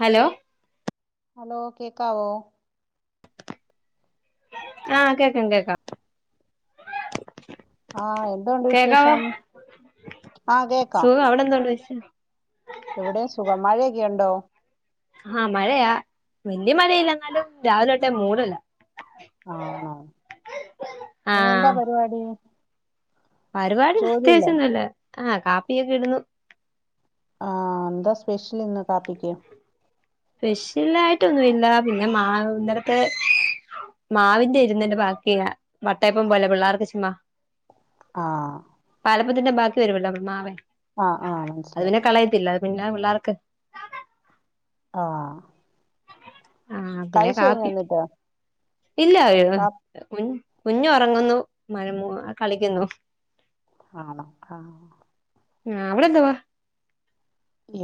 Hello hello കേക്കാവോ ആഹ് കേക്കാം കേക്കാം ആഹ് എന്തുണ്ട് കേക്കാവോ വിശേഷം ആഹ് കേക്കാം സുഖം അവിടെ എന്ത്‌ണ്ട് വിശേഷം ഇവിടെ സുഖം മഴയൊക്കെണ്ടോ ആഹ് മഴയാ വല്യയ മഴയില്ല എന്നാലും രാവിലെ തോട്ടെ മൂടല ആണോ പിന്നെ ആഹ് എന്താ പരിപാടി പരിപാടി പ്രത്യേകിച്ച് ജോലിയില്ലേ ഒന്നുല്ല ആഹ് കാപ്പിയൊക്കെ ഇടുന്നു ആഹ് ന്താ സ്പെഷല് ഇന്ന് കാപ്പിക്ക് സ്പെഷ്യലായിട്ടൊന്നുല്ല പിന്നെ മാവ് ഇന്നലത്തെ മാവിന്റെ ഇര്ന്നെന്റെ ബാക്കിയ വട്ടയപ്പം പോലെ പിള്ളേർക്ക് ഇചീന്ന ആഹ് പാലപ്പത്തിന്റെ ബാക്കി വരുവല്ലോ മാവേയ് ആഹ് ആഹ് അത് മനസ്സിലായി പിന്നെ കളയത്തില്ല അത് പിന്നെ പിള്ളാർക്ക് ആഹ് ആഹ് പിന്നെ കഴിച്ചു കഴിഞ്ഞോ കാപ്പി എന്നിട്ട് ഇല്ല വേവ് കാപ്പ് കുഞ്ഞ് ഒറങ്ങുന്നു മഴമ്മുവാ കളിക്കുന്നു ആണോ ആഹ് ആഹ് അവിടെ എന്തുവാ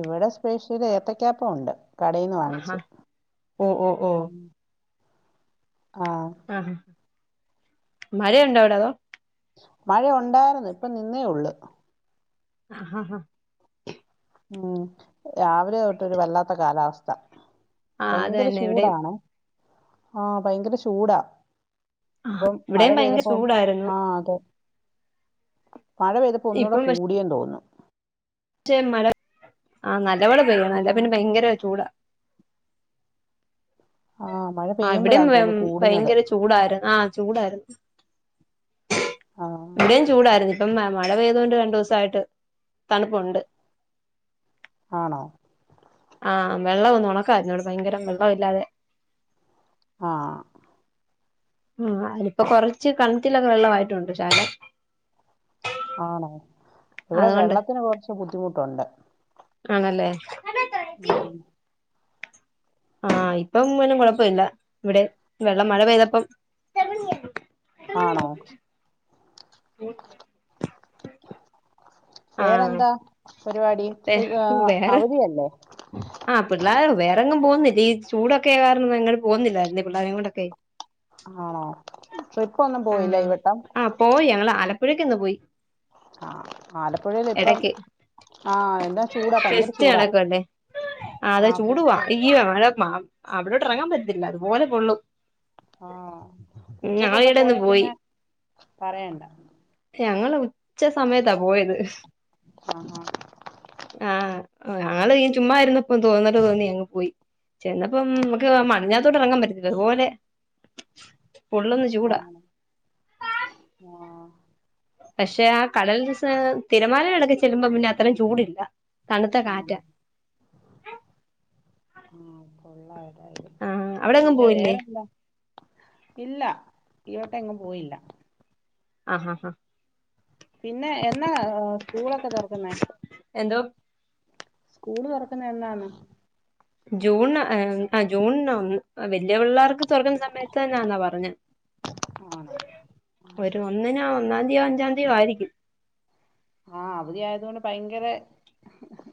ഇവിടെ സ്പെഷ്യല് ഏത്തക്കാപ്പം ഒണ്ട് കടേന്ന് ആഹാ വാങ്ങിച്ച് ഓ ഓ ഓ ആഹ് ആഹ് മഴയുണ്ടോ അവിടെ അതോ മഴ ഉണ്ടാർന്ന് ഇപ്പ നിന്നതെ ഒള്ള് ആഹ് ഹാ ഹാ ഉം രാവിലെ തൊട്ടൊരു വല്ലാത്ത കാലാവസ്ഥ ആഹ് അത് ഭയങ്കര തന്നെ ഇവിടെയും ചൂടാണ് ആഹ് ഭയങ്കര ചൂടാ ഇപ്പം മഴ ഇവിടെയും ഭയങ്കര പെയ്തപ്പം ചൂടായിരുന്നു ആഹ് അതെ മഴ പെയ്ത് ഒന്നൂടെ കൂടിയെന്ന് തോന്ന് റ്റേൻ മഴ ആഹ് നല്ലപോലെ പെയ്യണം ആ അല്ലെ പിന്നെ ഭയങ്കര ചൂടാ ആഹ് മഴ പെയ്യുമ്പഴാ തോന്ന് കൂടുന്നത് ചൂടാര് ആഹ് ചൂടാരുന്നു ആ എന്നേ ചൂടായിരുന്നു ഇപ്പം മഴ പെയ്തോണ്ട് രണ്ടുസായിട്ട് തണുപ്പുണ്ട് ആണോ ആഹ് വെള്ളം ഒന്നും ഒന്നുക്കുടെ കാരന്നം ഇവിടെ ഭയങ്കര വെള്ളം ഇല്ലാതെ ആഹ് ആഹ് അതിപ്പോ കൊറച്ച് കെണറ്റിലൊക്കെ വെള്ളവായിട്ടുണ്ട് ശകലം ആണോ ഇവിടെ അതുകൊണ്ട് വെള്ളത്തിന് കൊറച്ച് ബുദ്ധിമുട്ടുണ്ട് ആണല്ലേ ഉം ആഹ് ഇപ്പം ഒന്നും കൊഴപ്പല്ല ഇവിടെ വെള്ളം മഴ പെയ്തപ്പം ആണോ ആഹ് വേറെന്താ പരിപാടി ഇതാ വേറെ അവധിയല്ലേ ആഹ് പിള്ളേര് വേറെങ്ങും പോവുന്നില്ല ഈ ചൂടൊക്കെയായ കാരണം എങ്ങട് പോവുന്നില്ലാരുന്നേ പിള്ളേരേ ങ്ങണ്ടോക്കെ ആണോ ട്രിപ്പൊന്നും പോയില്ല ആഹ് ഈ വട്ടം ആഹ് പോയി ഞങ്ങള് ആലപ്പുഴേക്കൊന്ന് പോയി ആഹ് ആലപ്പുഴേലിപ്പം എടക്ക് ആഹ് എന്താ ചൂടാ ഭയങ്കര ഫെസ്റ്റ് ചൂടാ നടക്കുവല്ലേ ആഹ് ആ അതെ ചൂടുവാ സത്യം. ഈയൊ അവിടോട്ട് എറങ്ങാൻ പറ്റത്തില്ല അതുപോലെ പൊള്ളും ആഹ് ഉച്ചക്കൊക്കെ ഞങ്ങളിടെന്ന് പോയാ പോയി പിന്നെ പറയണ്ട പക്ഷേ ഞങ്ങള് ഉച്ച സമയത്താ പോയത് ആ ആഹ് ഞങ്ങള് ഈ ചുമ്മ ഇരുന്നപ്പം തോന്നല് തോന്നി അങ്ങ് പോയി ചെന്നപ്പം ആ നമുക്ക് മണഞ്ഞാത്തോട്ട് എറങ്ങാൻ പറ്റത്തില്ല അതുപോലെ പൊള്ളുന്ന ചൂ വാങ്ങണോ വാ പക്ഷെ ആ കടൽ [unintelligible] തിരമാല ഇടക്കെ ചെല്ലുമ്പോ പിന്നെ അത്രേം ചൂടില്ല ത്ത കാറ്റാ ആഹ് കൊള്ളാം ഏതായാലും ആഹ് അവിടെങ്ങും പിന്നെ പോയില്ലേ വേറെന്താ ഇല്ല ഇവട്ടം എങ്ങും പോയില്ല ആഹ് ഹാ ഹാ പിന്നെ എന്നാ സ്കൂളൊക്കെ തൊറക്കുന്നേ എന്തോ സ്കൂള് തൊറക്കുന്ന എന്നാന്ന് ജൂൺ ആ ആഹ് ജൂൺ ഒ വെല്ല്യ പിള്ളേർക്ക് തൊറക്കുന്ന സമയത്തന്നാന്നാ പറഞ്ഞേ ആണോ ഒരു ഒന്നിനാ ഒന്നാം തീയോ അഞ്ചാം തീയോ ആയിരിക്കും ആഹ് അവധി ആയതുകൊണ്ട് ഭയങ്കര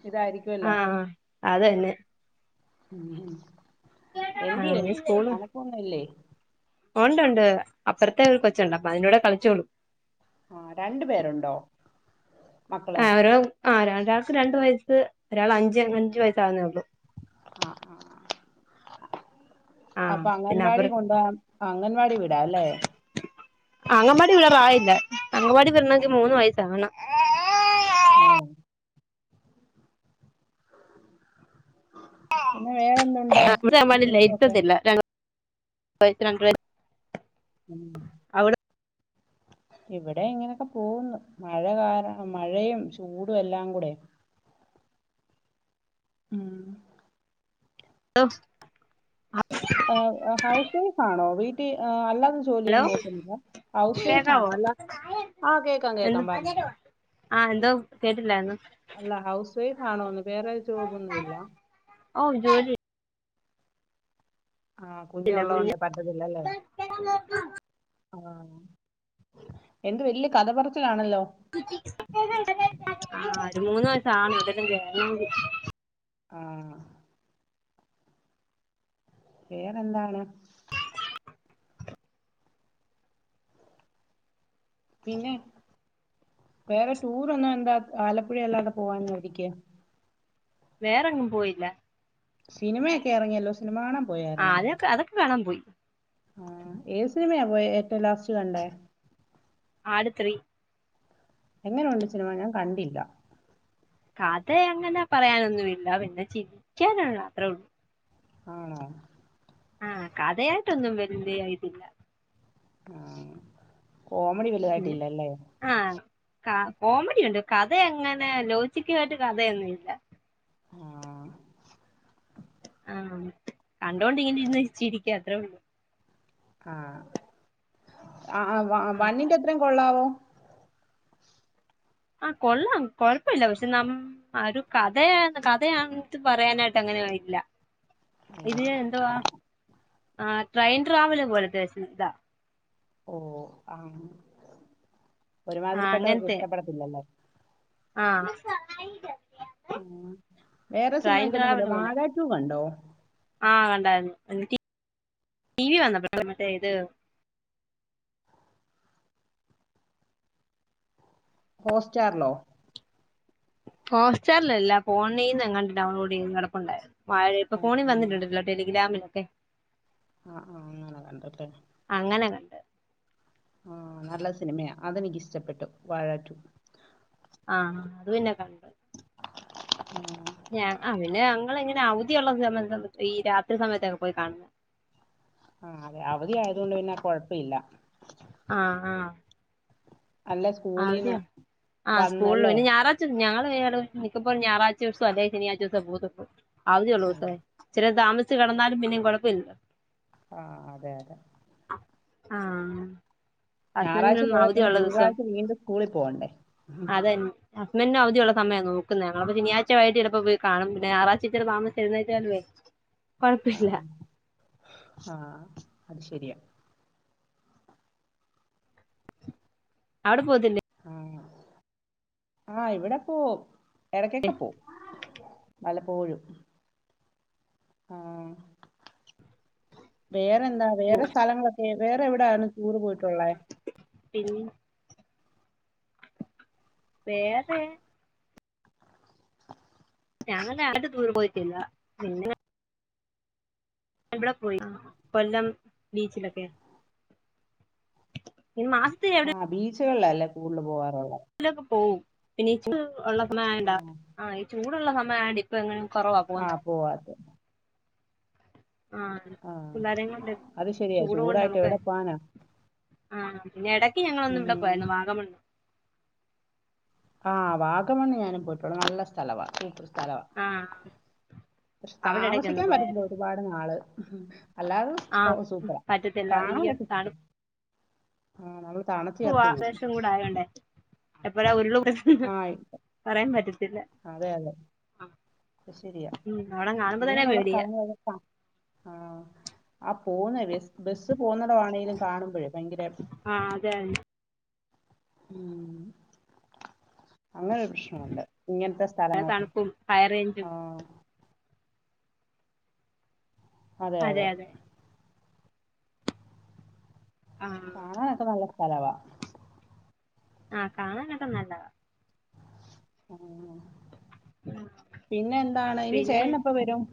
ഇതായിരിക്കും ആഹ് അതന്നെ ഉം എന്ത്യ അങ്ങനെ തണപൊന്നുല്ലേ ഉണ്ട് ഉണ്ട് അപ്പുറത്തെ ഒരു കൊച്ചുണ്ട് അപ്പൊ അതിനൂടെ കളിച്ചോളും ആ രണ്ടു പേരുണ്ടോ മക്കള് ഒരാ ആഹ് രരാൾക്ക് രണ്ടു വയസ്സ് ഒരാൾ അഞ്ച് അഞ്ച് വയസ്സ് ആകുന്നേള്ളൂ ആഹ് ആഹ് ആഹ് അപ്പ പിന്നെ അവർ അങ്ങൻവാടി കൊണ്ടോം അംഗൻവാടി വിടാല്ലേ അംഗൻവാടി വിടെറായില്ല അംഗൻവാടി വിടണെങ്കിൽ മൂന്ന് വയസ്സ് ആവണം [unintelligible] പിന്നെ വേറെന്തുണ്ട് ആഹ് ഇവിടുത്തെ അംഗൻവാടില്ലേ വിശേഷമൊക്കെ ഇരുതത്തില്ല രണ്ട് വയസ്സ് രണ്ട് വയ ഉം അം ഇവിടെ ഇങ്ങനൊക്കെ പോകുന്നു മഴ കാരണം മഴയും ചൂടും എല്ലാം കൂടെ ഉം ടൊ ഹൗസ് വൈഫ് ആണോ വീട്ടി ആഹ് അല്ലാതെ ഹലോ ജോലിയൊന്നും നോക്കുന്നില്ല ഹൗസ് വൈഫ ആണോ കേക്കാവോ അല്ല ആഹ് കേക്കാം കേക്കാം പറഞ്ഞു ആഹ് എന്തോ കേട്ടില്ലാരുന്നു അല്ല ഹൗസ് വൈഫ് ആണോന്ന് വേറെ ജോബോന്നുഇല്ല ഓഹ് ജോലി ആഹ് കുഞ്ഞഉള്ളോണ്ട് പറ്റത്തില്ലല്ലേ ആഹ് എന്ത് വലിയ കഥപറച്ചി ലാണല്ലോ ആഹ് ഒരു മൂന്ന് വയസ്സ് ആണം എവിടേലും കേറണോങ്കി ആഹ് വേറെന്താണ് പിന്നെ വേറെ ടൂറൊന്നും എന്താ ആലപ്പുഴ അല്ലാതെ പോവാഞ്ഞെ ആവുദിക്ക് വേറെങ്ങും പോയില്ല സിനിമയൊക്കെ എറങ്ങിയല്ലോ സിനിമ കാണം ആഹ് അതിനൊക്കെ അതൊക്കെ കാണാൻ പോയി ആഹ് ഏത് സിനിമയാ പോയെ ഏറ്റോം ലാസ്റ്റ് കണ്ടേ ആട് ത്രീ എങ്ങന ഒണ്ട് സിനിമ ഞാൻ കണ്ടില്ല കഥ അങ്ങനെ പറയാനൊന്നുഇല്ല പിന്നെ ചിരിക്കാനുള്ള അത്രേ ഉള്ളൂ ആണോ ആഹ് കഥയായിട്ടൊന്നും വേലിയ ഇതില്ല ആഹ് കോമഡി വലുതായിട്ടില്ലല്ലേ ആഹ് ക കോമഡിയുണ്ട് കഥ അങ്ങനെ ലോചിക്കായിട്ട് കഥയൊന്നും ഇല്ല ആഹ് ആഹ് കണ്ടോണ്ടിങ്ങനെ ഇരുന്ന് ചിരിക്ക അത്രേ ഉള്ളൂ ആഹ് ആഹ് വ ആ വണ്ണിന്റെ അത്രം കൊള്ളാവോ ആഹ് കൊള്ളാം കൊഴപ്പില്ല പക്ഷെ നമ്മ ആഹ് ഒരു കഥയണ് കഥയാട്ട് പറയാനായിട്ട് അങ്ങനെഇല്ല ഇത് എന്തുവാ ആ ട്രൈയ്ൻ ട്രാവല് പോലത്തെ ഇതാ ഓഹ് ആഹ് ആഹ് ഒരുമാതിരിപ്പെട്ടവർക്ക് അങ്ങനത്തെ ഇഷ്ടപ്പെടത്തില്ലല്ലേ ആഹ് [unintelligible] വേറെ ട്രെയിൻ സിനിമയ്ക്ക് ഒന്നുമില്ല ട്രാവല് പോലെ വാഴ റ്റു കണ്ടോ ആഹ് കണ്ടാര്ന്നു [unintelligible] ടി വി വന്നപ്പോ മറ്റെ ഇത് ഹോസ്റ്റാറിലോ ഹോസ്റ്റാറില് അല്ല ഫോണിന്ന് എങ്ങാണ്ട് ഡൗൺലോഡ് ചെയ്ത് കെടാപ്പണ്ടോര്ന്ന് വാഴ ഇപ്പ ഓ, ഫോണി ഉം. വന്നിട്ട് ഒണ്ടാല്ലോ ടെലിഗ്രാമിലൊക്കെ. ആഹ് ആഹ് അങ്ങനെ കണ്ട്ട്ട്. അങ്ങനെ കണ്ട്. ആഹ് നല്ല സിനിമയാ. അത് നിക്ക് ഇഷ്ടപ്പെട്ടു. വാഴാ റ്റൂ. ആഹ് അത് പിന്നെ കണ്ട്. ഉം. ഞ ആഹ് പിന്നെ ഞങ്ങള് ങ്ങനെ അവധിയോള്ള സമയ ഈ രാത്രി സമയത്തൊക്കെ പോയി കാണും. ആഹ് അതെ. അവധി ആയാതൊണ്ട് പിന്നെ കൊയപ്പില്ലാ. ആഹ് ആഹ് അല്ല സ്കൂളിൽ നിന്ന് അവധിയാ. ആഹ് സ്കൂൾളും. വന്നല്ലേ ഇനി ഞാറാ ഞങ്ങള് [unintelligible] മിക്കപ്പോളും ഞായറഴ്ച്ചോസം അല്ലെങ്കി ശനിയാ്ഴച്ചോസം പോത്തുള്ളു. അവധിയോള്ള ആ ദിവസേ ഇച്ചിരായ് താമസിച്ച് കെടന്നാലും പിന്നെയും കൊഴപ്പം ഇല്ലാ ല്ലേ. ആഹ് അതെ അതെ. ആഹ്. ഞായറാഴ്ച ഹസ്ബെൻഡിനും പോയാൽ പിന്നെ അവധിയൊള്ള ദിവസം. തിങ്കളാഴ്ച വീണ്ടും സ്കൂളിൽ പോകണ്ടേ ഉം. അതന്നെ. ഹസ്ബെന്റിനും അവധിയോള്ള സമയ നോക്ക്ന്നേ. ഞങ്ങളപ്പം ശനിയാഴ്ച വൈകിട്ട് ചെലപ്പോ പോയി കാണും. പിന്നെ ഞാറാഴ്ച്ച താമസ എല്ന്നേറ്റാലു വെ ആഹ് ആഹ് അത് ശെരിയാ. അവടെ പോത്തില്ലെ? ആഹ്. ആഹ് ഇവടെ പോവും. എടക്കൊക്കെ പോം. വല്ലപ്പോഴും. ആഹ് വേറെന്താ. വേറെ സ്ഥലങ്ങളേ ക്കെ വേറെ എവടാണ്. റ്റൂറ് പോയിട്ടൊള്ളേ. പിന്ന് വേറെ ഞങ്ങള് ഞായറായിച്ച റ്റൂറ് പോയിട്ടില്ല. പിന്നെ ഇവടെ പോയി. കൊല്ലം ബീച്ചിലൊക്കെ. ഈ മാസ്ത്തേ ആഹ് ബീച്ചുകളില ല്ലേ കൂട്ല് പോവാറോള്ളെ. ബിച്ചിലേക്കെ പോവും. പിന്നെ ഈ ചൂട് ഉള്ള സമയാണ്ടോ. ആഹ് ഈ ചൂടോള്ള സമയേ ഇപ്പാ എങ്ങനെ കൊറവ പോന്നേ. ആഹ് പോവാത്തെ. ആഹ് ആഹ് പിള്ളാരോം കൊണ്ട്. അത് ശരിയാ ചൂടോണ്ട് ചൂടായിട്ട് നമ്മക്ക്. എവിടെ പോവാനാ ആഹ് പിന്നെ എടക്ക് ഞങ്ങളൊന്ന് ഇവടെ ഉം പോയര്ന്ന്. വാഗമൺ. ആഹ് വാഗമൺ ഞാനും പോയിട്ടൊണ്ട്. നല്ല സ്ഥല വാ. അതെ ആഹ് പശേ അവിടെ ഇടക്കൊന്ന് താമസിക്കാൻ പറ്റത്തില്ലാ. പോയായിരുന്നു ഒരുപാട് നാള്. അല്ലാതെ ആഹ് ഒക്കെ സൂപ്പറാ. പറ്റത്തില്ല ഈ കാണാ പറ്റത്തില്ല. തണുപ്പ് പൂവാ. പോവും ലേശംകൂടെ ആയോണ്ടേ. എപ്പാഴാ ഉരുള് പൊട്ടുന്നേ ആയ്ക്കൊ പറയാൻ പറ്റത്തില്ല അതെ അതെ. അയ് ശെരിയാ. ഉം അവിടം കാണുമ്പോ തന്നെ ഇങ്ങനെള്ള പേടിയാ സ്ഥലങ്ങളെക്കാ താ ആഹ് ആഹ് പോന്ന ബെസ്സ് പോന്നടം ആണെലും കാണുമ്പോഴേ പയങ്കര ആഹ് അതെന്നെ. ഉം അങ്ങാ പ്രേശ്നോണ്ട്. ഇങ്ങനത്തെ സ്ഥലങ്ങളാക്കെ. തണുപ്പും ഹൈറേഞ്ചും ആഹ് അതെ അതെ. ആഹ് കാണാനക്കെ നല്ല സ്ഥലവാ. ആഹ് കാണാനൊക്കെ നല്ലതാ ആഹ് ആഹ് ഇനി പിന്നെ ചേട്ടനെപ്പ വരും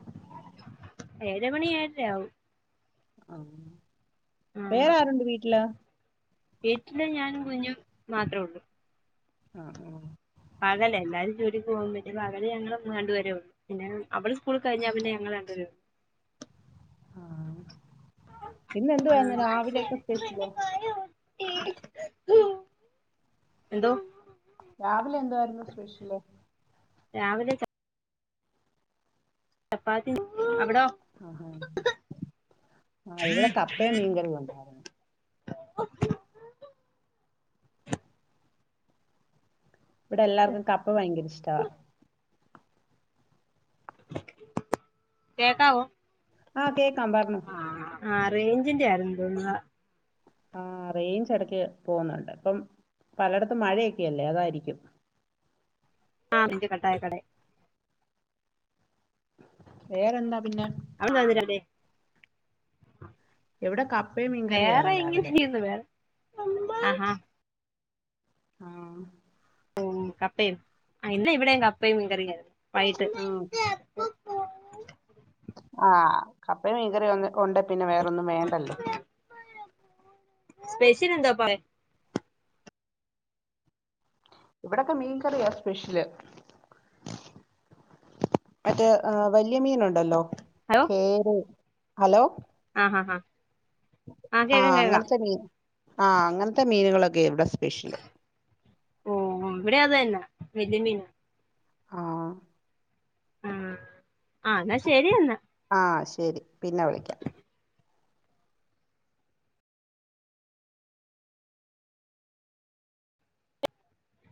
ഏഴ് മണി ഏഴാരാ ആവും ആ ആഹ് വേരാ ആരുണ്ട് വീട്ടില് വീട്ടില് ഞാനും കുഞ്ഞും മാത്ര ഉള്ളൂ ആഹ് ആഹ് പകല് എല്ലരും ജോലി പോകുംപത്തിന് പകല് ഞങ്ങൾ രണ്ട് പേരേള്ളൂ പിന്നെ അവള് സ്കൂൾ കഴിഞ്ഞാ പിന്നെ ഞങ്ങൾ രണ്ടുപേരെള്ളൂ ആഹ് ഇന്നെന്തുവായിരുന്നു ഉള്ളൂ രാവിലെക്കെ സ്പെഷ്യല് എന്തോ രാവിലെ എന്തായിരുന്നു സ്പെഷ്യല് രാവിലെ ച ചപ്പാത്തി അവിടോ അഹ് ആഹ് ഇവിടെ കപ്പയും മീൻകറി ഉണ്ടാര് ഇവിടെ എല്ലാവർക്കും കപ്പ ഭയങ്ക ഇഷ്ടവാ കേക്കാവോ ആഹ് കേക്കാം പർനോ ആഹ് ആഹ് റേഞ്ചിന്റെ ആര്ന്ന് തോന്നാ ആഹ് റേഞ്ച് ഇടക്ക് പോകുന്നുണ്ട് ഇപ്പം പലയിടത്തും മഴയൊക്കെല്ലേ അതായിരിക്കും ആഹ് നിന്റെ കട്ടായക്കട വേറെന്താ പിന്നെ അവള് [unintelligible] അല്ലേ എവിടെ കപ്പയും വേറെ മീൻകറിയായിരുന്നു എങ്ങനെ രാവിലെ ചെയുന്നു വേറെ അഹ് ആഹ് ആഹ് ഓഹ് കപ്പയുംആഹ് ഇന്ന് ഇവിടെ കപ്പയും മീൻ കറിയും ആയിരുന്നു വൈകീട്ട് ഉം ആഹ് കപ്പയും മീൻകറിയും ഉണ്ട് പിന്നെ വേറൊന്നും വേണ്ടല്ലോ സ്പെഷ്യൽ എന്താ പറയ് ഇവടെപ്പ മീൻകറിയാ സ്പെഷ്യല് മറ്റേ ആഹ് വല്യ മീന് ഉണ്ടല്ലോ ഹലോ ഉം ഹലോ ആഹ് ഹാ ഹ ആഹ് അങ്ങൻത്തെ മീൻ ആഹ് അങ്ങൻത്തെ മീനുകളൊക്കെ ഇവിടെ സ്പെഷ്യല് ഓഹ് ഇവിടെ അതന്നെ വല്യ മീനാ ആഹ് ഉം ആഹ് എന്നാ ശരിയന്നാ ആഹ് ശരി പിന്നെ വിളിക്കാം ഉ [unintelligible]